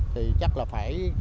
thì chắc là phải